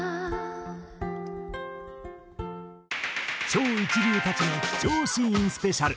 超一流たちの貴重シーンスペシャル。